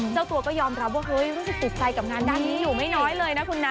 เจ้าตัวก็ยอมรับว่าเฮ้ยรู้สึกติดใจกับงานด้านนี้อยู่ไม่น้อยเลยนะคุณนะ